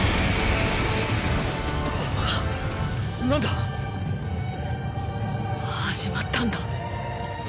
何だ⁉始まったんだ。